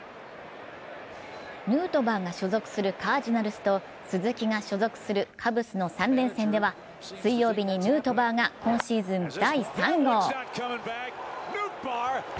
ヌートバーが所属するカージナルスと鈴木が所属するカブスの３連戦では水曜日にヌートバーが今シーズン第３号。